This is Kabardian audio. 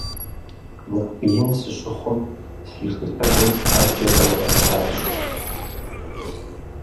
Нэхъ ин сыщыхъум, си шы лъэгум Ӏэджэ щӀэзгъэплъащ.